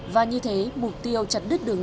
và như thế mục tiêu chặt đứt đứng